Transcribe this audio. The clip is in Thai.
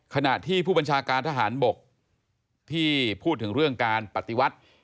ขณะที่ผู้บัญชาการทหารบกที่พูดถึงเรื่องการปฏิวัติ